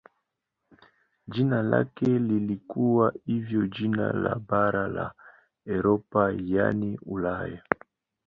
Jina lake lilikuwa hivyo jina la bara la Europa yaani Ulaya.